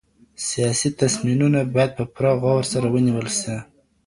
سياسي تصميمونه بايد په پوره غور سره ونيول سي.